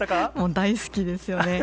大好きですよね。